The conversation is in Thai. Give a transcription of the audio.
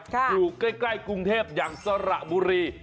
อยู่ใกล้กรุงเทพอย่างสระบุรี